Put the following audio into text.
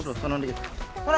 tuh tonang dikit